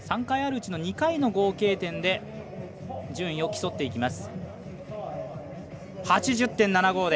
３回あるうちの２回の合計点で順位を競っていきます。